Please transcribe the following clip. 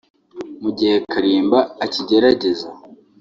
mu gihe Kalimba akigerageza